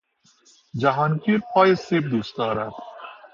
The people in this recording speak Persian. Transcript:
جهانگیر پای سیب دوست دارد.